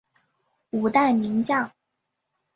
五代名将。